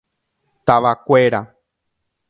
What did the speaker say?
Tavakuéra.